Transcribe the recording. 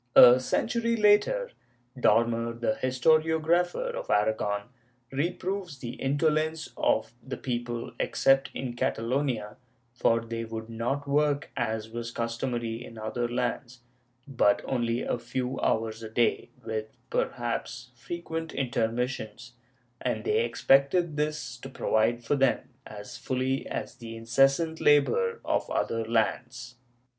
A century later. Dormer, the historiographer of Aragon, reproves the indo lence of the people, except in Catalonia, for they would not work as was customary in other lands, but only a few hours a day, with perhaps frequent intermissions, and they expected this to provide for them as fully as the incessant labor of other lands.